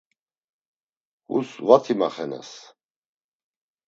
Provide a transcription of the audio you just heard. Hus vati maxenas.